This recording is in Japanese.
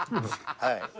はい。